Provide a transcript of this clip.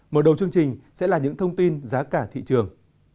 mở đầu chương trình sẽ là những thông tin giá cả thị trường